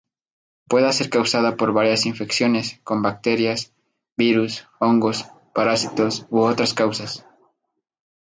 Pueda ser causada por varias infecciones, con bacterias, virus, hongos, parásitos, u otras causas.